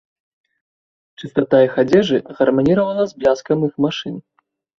Чыстата іх адзежы гарманіравала з бляскам іх машын.